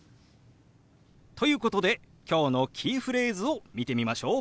ということで今日のキーフレーズを見てみましょう。